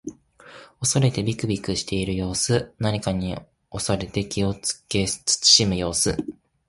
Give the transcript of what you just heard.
恐れてびくびくしている様子。何かに恐れて気をつけ慎む様子。